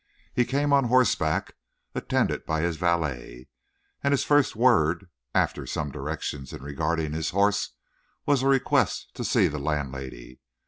He came on horseback, attended by his valet, and his first word, after some directions in regard to his horse, was a request to see the landlady.